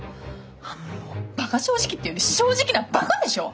もうバカ正直っていうより正直なバカでしょ！